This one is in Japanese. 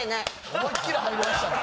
思いっきり入りましたね。